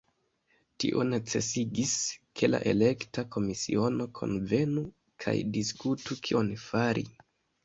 Tio necesigis, ke la elekta komisiono kunvenu kaj diskutu kion fari.